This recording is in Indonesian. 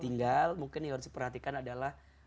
tinggal mungkin yang harus diperhatikan adalah